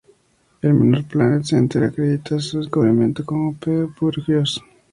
El Minor Planet Center acredita su descubrimiento como P. Bourgeois.